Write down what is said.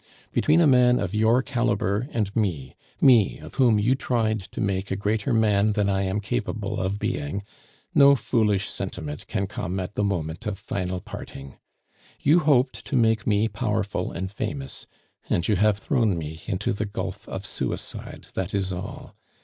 "Between a man of your calibre and me me of whom you tried to make a greater man than I am capable of being no foolish sentiment can come at the moment of final parting. You hoped to make me powerful and famous, and you have thrown me into the gulf of suicide, that is all.